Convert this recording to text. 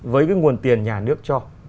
với cái nguồn tiền nhà nước cho